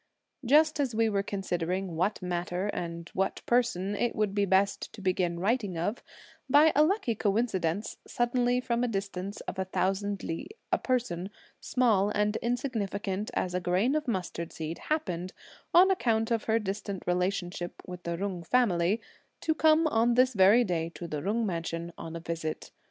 Just as we were considering what matter and what person it would be best to begin writing of, by a lucky coincidence suddenly from a distance of a thousand li, a person small and insignificant as a grain of mustard seed happened, on account of her distant relationship with the Jung family, to come on this very day to the Jung mansion on a visit.